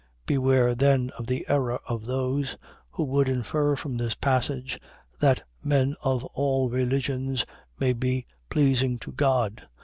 Beware then of the error of those, who would infer from this passage, that men of all religions may be pleasing to God.